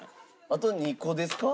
あと２個ですか？